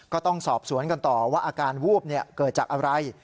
ก็ต้องสอบสวนกันต่อว่าอาการวูบเกิดจากอะไร